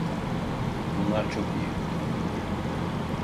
Bunlar çok iyi.